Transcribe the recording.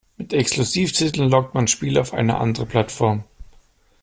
Mit Exklusivtiteln lockt man Spieler auf eine andere Plattform.